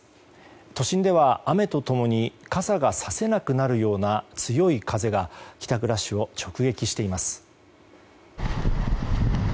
都心では雨と共に傘がさせなくなるような強い風が帰宅ラッシュを直撃しています。